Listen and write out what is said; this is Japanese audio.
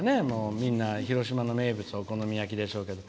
みんな、広島の名物お好み焼きでしょうけど。